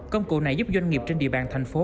công cụ này giúp doanh nghiệp trên địa bàn thành phố